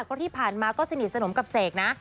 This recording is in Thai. เพราะที่ผ่านมาก็สนิทสนมกับเสกนะ